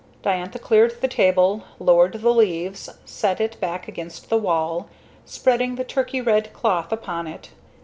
Diantha cleared the table, lowered the leaves, set it back against the wall, spreading the turkey red cloth upon it.